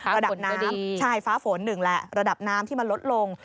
ระดับน้ำใช่ฟ้าฝนหนึ่งแหละระดับน้ำที่มันลดลง